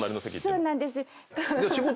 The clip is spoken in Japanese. そうなんです。